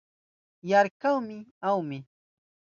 Yarkaymi kahuni